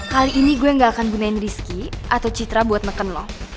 kali ini gue gak akan gunain rizki atau citra buat makan lo